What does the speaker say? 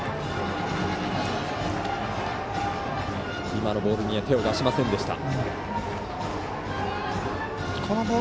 今のボールには手を出しませんでした。